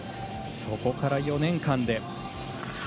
そこから４年間で。